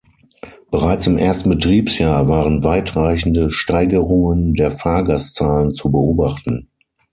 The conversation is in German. Bereits im ersten Betriebsjahr waren weitreichende Steigerungen der Fahrgastzahlen zu beobachten.